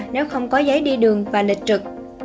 nếu không có giấy đi đường và lịch trực